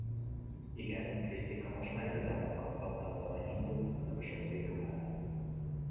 Igen, Krisztinka most már igazán megkaphatta az aranyhintót meg a sok szép ruhát.